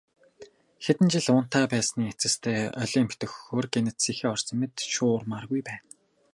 Хэдэн жил унтаа байсны эцэст олимп дөхөхөөр гэнэт сэхээ орсон мэт шуурмааргүй байна.